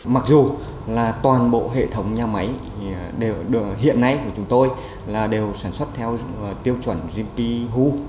mặc dù là toàn bộ hệ thống nhà máy hiện nay của chúng tôi đều sản xuất theo tiêu chuẩn gmp who